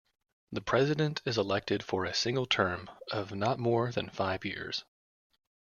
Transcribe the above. The President is elected for a single term of not more than five years.